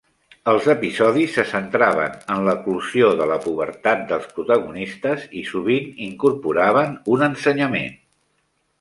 Els episodis se centraven en l'eclosió de la pubertat dels protagonistes i sovint incorporaven un ensenyament.